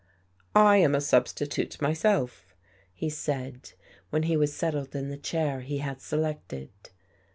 " I am a substitute myself," he said, when he was settled in the chair he had selected.